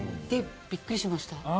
びっくりしました。